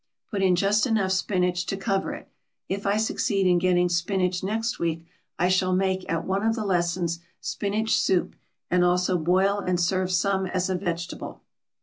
Put in just enough spinach to cover it. If I succeed in getting spinach next week I shall make, at one of the lessons, spinach soup, and also boil and serve some as a vegetable.